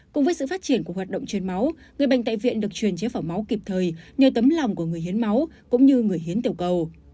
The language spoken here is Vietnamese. cùng với sự phát triển của hoạt động truyền máu người bệnh tại viện được truyền chế phẩm máu kịp thời nhờ tấm lòng của người hiến máu cũng như người hiến tiểu cầu